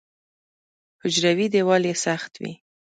حجروي دیوال یې سخت وي.